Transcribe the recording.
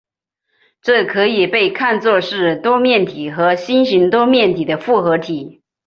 这可以被看作是多面体和星形多面体的复合体。